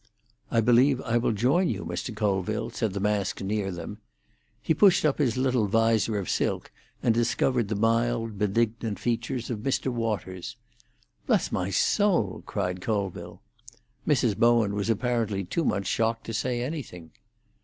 "I believe I will join you, Mr. Colville," said the mask near them. He pushed up his little visor of silk, and discovered the mild, benignant features of Mr. Waters. "Bless my soul!" cried Colville. Mrs. Bowen was apparently too much shocked to say anything.